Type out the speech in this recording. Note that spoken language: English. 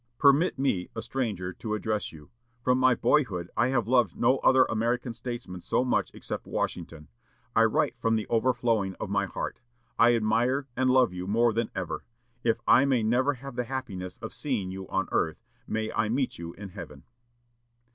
"Permit me, a stranger, to address you. From my boyhood I have loved no other American statesman so much except Washington. I write from the overflowing of my heart. I admire and love you more than ever. If I may never have the happiness of seeing you on earth, may I meet you in heaven."